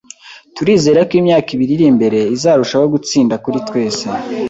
Turizera ko imyaka ibiri iri imbere izarushaho gutsinda kuri twese.